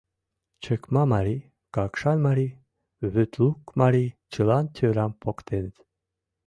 Чыкма марий, Какшан марий, Вӱтлук марий — чылан тӧрам поктеныт.